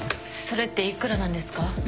それって幾らなんですか？